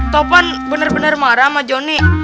topan bener bener marah sama johnny